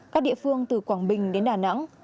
các địa phương từ quảng bình đến đà nẵng